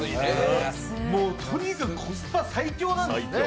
もう、とにかくコスパ最強なんですね。